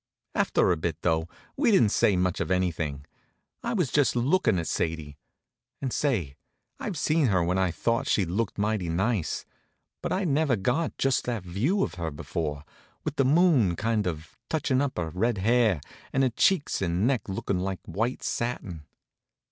After a bit, though, we didn't say much of any thing. I was just lookin' at Sadie. And say, I've seen her when I thought she looked mighty nice, but I'd never got just that view of her before, with the moon kind of touchin' up her red hair, and her cheeks and neck lookin' like white satin.